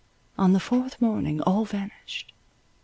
On the fourth morning all vanished.